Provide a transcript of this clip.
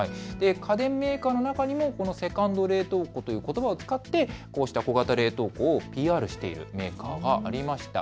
家電メーカーの中にもセカンド冷凍庫ということばを使って小型冷凍庫をＰＲしているメーカーがありました。